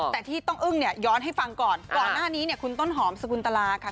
แต่ที่ต้องอึ้งเนี่ยย้อนให้ฟังก่อนก่อนหน้านี้เนี่ยคุณต้นหอมสกุลตลาค่ะ